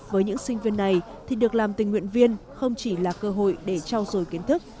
với những sinh viên này thì được làm tình nguyện viên không chỉ là cơ hội để trao dồi kiến thức